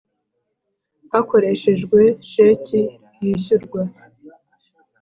hakoreshejwe sheki yishyurwa